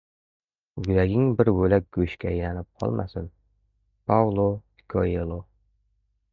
Yuraging bir bo‘lak go‘shtga aylanib qolmasin. Paulo Koelo